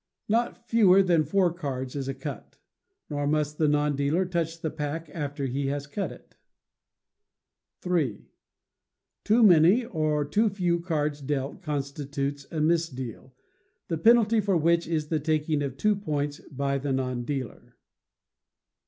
Not fewer than four cards is a cut; nor must the non dealer touch the pack after he has cut it. iii. Too many or too few cards dealt constitutes a misdeal, the penalty for which is the taking of two points by the non dealer.